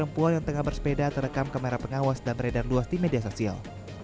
perempuan yang tengah bersepeda terekam kamera pengawas dan beredar luas di media sosial